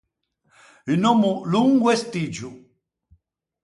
Un òmmo longo e stiggio.